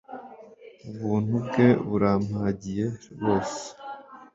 Ubuntu bwe burampagie rwose